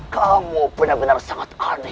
kamu benar benar sangat aneh